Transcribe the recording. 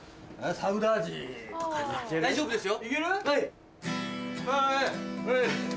はい！